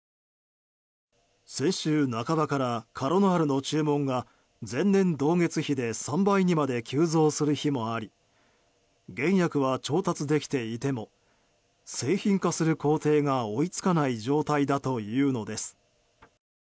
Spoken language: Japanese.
先週半ばからカロナールの注文が前年同月比で３倍にまで急増する日もあり原薬は調達できていても製品化する工程が追いつかない状態だというのです。